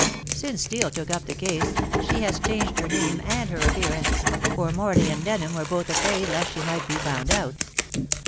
Since Steel took up the case she has changed her name and her appearance, for Morley and Denham were both afraid lest she might be found out.